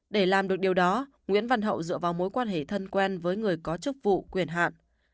để làm được điều đó nguyễn văn hậu dựa vào mối quan hệ thân quen với người có chức vụ quyền hạn